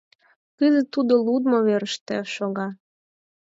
Кызыт тудо лудмо верыште шога